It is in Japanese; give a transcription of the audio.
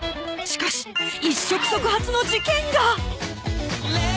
しかし一触即発の事件が！